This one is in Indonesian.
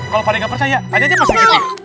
kalau pak de nggak percaya tanya aja pas kayak gini